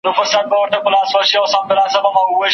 له مشرقه تر مغربه زما د هر وګړي ویاړ دی